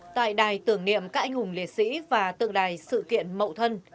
tại đài tưởng niệm các anh hùng liệt sĩ và tượng đài sự kiện mậu thân